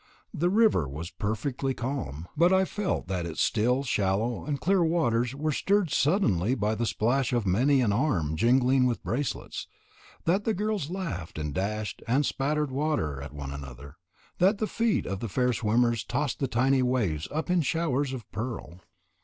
The river was perfectly calm, but I felt that its still, shallow, and clear waters were stirred suddenly by the splash of many an arm jingling with bracelets, that the girls laughed and dashed and spattered water at one another, that the feet of the fair swimmers tossed the tiny waves up in showers of pearl.